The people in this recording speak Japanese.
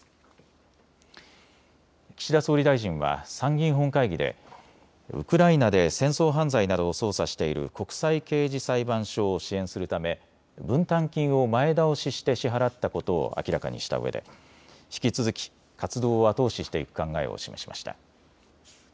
岸田総理大臣は参議院本会議でウクライナで戦争犯罪などを捜査している国際刑事裁判所を支援するため分担金を前倒しして支払ったことを明らかにしたうえで引き続き活動を後押ししていく考えを示しました。